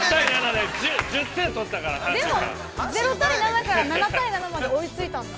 ◆でも０対７から、７対７まで追いついたんです。